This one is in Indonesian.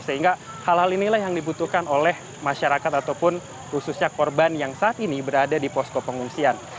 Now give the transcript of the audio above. sehingga hal hal inilah yang dibutuhkan oleh masyarakat ataupun khususnya korban yang saat ini berada di posko pengungsian